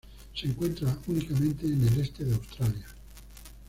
Se encuentra únicamente en el este de Australia.